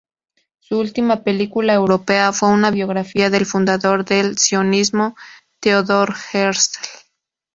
Su última película europea fue una biografía del fundador del sionismo Theodor Herzl.